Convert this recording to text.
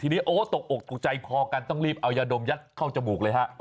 ทีนี้โอ้ตกอกตกใจพอกันต้องรีบเอายาดมยัดเข้าจมูกเลยฮะ